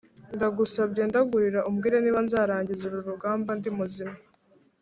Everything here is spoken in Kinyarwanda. ndagusabye ndagurira umbwire niba nzarangiza uru rugamba ndi muzima"